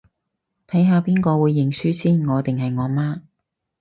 睇下邊個會認輸先，我定係我媽